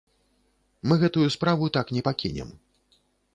Мы гэтую справу так не пакінем.